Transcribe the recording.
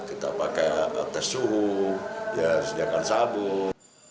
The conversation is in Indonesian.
kita pakai tes suhu disediakan sabun